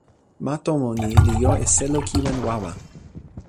ma tomo ni li jo e selo kiwen wawa.